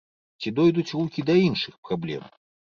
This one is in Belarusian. Ці дойдуць рукі да іншых праблем?